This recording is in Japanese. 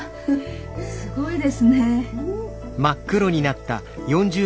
すごいですね。